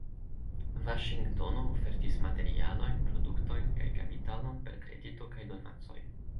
Vaŝingtono ofertis materialojn, produktojn kaj kapitalon per kredito kaj donacoj.